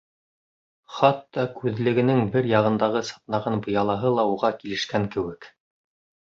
Хатта күҙлегенең бер яғындағы сатнаған быялаһы ла уға килешкән кеүек.